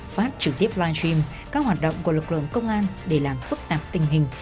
phát trực tiếp live stream các hoạt động của lực lượng công an để làm phức tạp tình hình